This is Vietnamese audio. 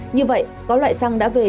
như vậy có loại xăng đã về